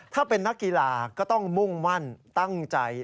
ถ้าเป็นนักกีฬาก็ต้องมุ่งมั่นตั้งใจ